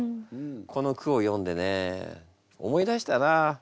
この句を読んでね思い出したなあ。